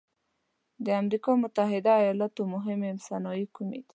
د امریکا متحد ایلاتو مهمې صنایع کومې دي؟